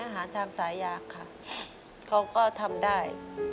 ปอนด์ทำศาลยากค่ะเขาก็ทำได้